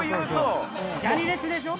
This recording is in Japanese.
ジャニ烈でしょ。